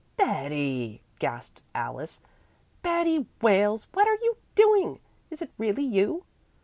"Betty!" gasped Alice. "Betty Wales, what are you doing? Is it really you?"